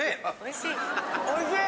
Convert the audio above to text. おいしい？